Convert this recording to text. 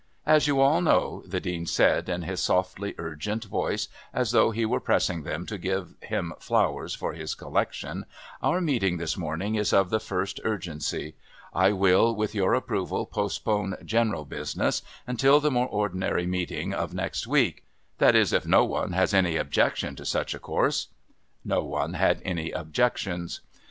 "As you all know," the Dean said in his softly urgent voice, as though he were pressing them to give him flowers for his collection, "our meeting this morning is of the first urgency. I will, with your approval, postpone general business until the more ordinary meeting of next week. That is if no one has any objection to such a course?" No one had any objections.